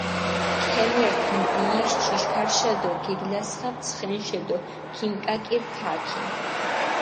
ქემერთჷ ნდიიში ჭიშქარიშა დო გეგლასხაპჷ ცხენიშე დო ქიმიკაკირჷ თაქი.